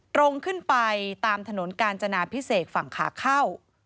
ตรงขึ้นไปตามถนนกาญจนาพิเศษฝั่งขาเข้า